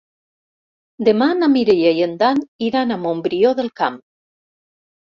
Demà na Mireia i en Dan iran a Montbrió del Camp.